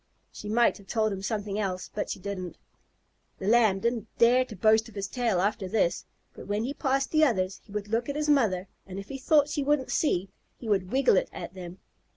She might have told him something else, but she didn't. The Lamb didn't dare to boast of his tail after this, but when he passed the others, he would look at his mother, and if he thought she wouldn't see, he would wiggle it at them.